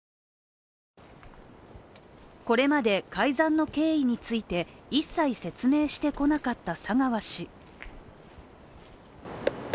これまで改ざんの経緯について一切説明してこなかった佐川氏。